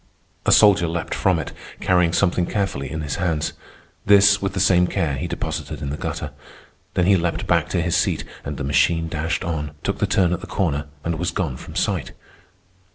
A soldier leaped from it, carrying something carefully in his hands. This, with the same care, he deposited in the gutter. Then he leaped back to his seat and the machine dashed on, took the turn at the corner, and was gone from sight.